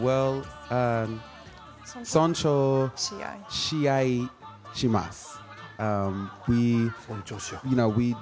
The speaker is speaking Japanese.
尊重し合います。